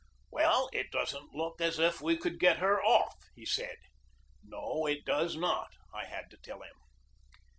"Well, it doesn't look as if we could get her off," he said. "No, it does not!" I had to tell him.